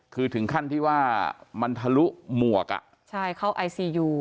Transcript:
คือถึงขั้นที่ว่ามันทะลุหมวกอ่ะใช่เข้าไอซียู